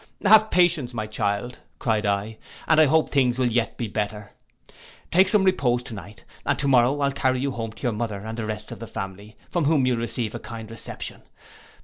'Have patience, my child,' cried I, 'and I hope things will yet be better. Take some repose to night, and to morrow I'll carry you home to your mother and the rest of the family, from whom you will receive a kind reception.